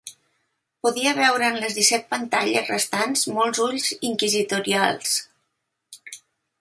Podia veure en les disset pantalles restants molts ulls inquisitorials.